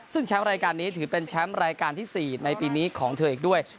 ซึ่งแชมป์รายการนี้ถือเป็นแชมป์รายการที่๔ในปีนี้ของเธออีกด้วย